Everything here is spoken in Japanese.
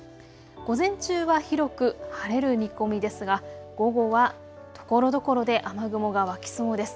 午前中は広く晴れる見込みですが午後はところどころで雨雲が湧きそうです。